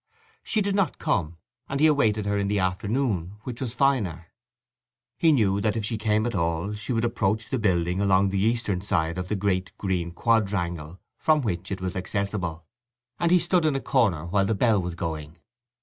She did not come, and he awaited her in the afternoon, which was finer. He knew that if she came at all she would approach the building along the eastern side of the great green quadrangle from which it was accessible, and he stood in a corner while the bell was going.